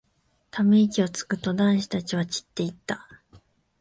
ため息をつくと、男子たちは散っていった。